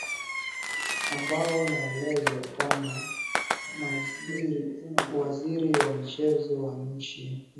ambao naelezwa kwamba waziri wa michezo wa nchi hiyo